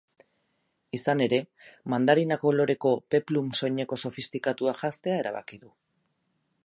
Izan ere, mandarina koloreko peplum soineko sofistikatua janztea erabaki du.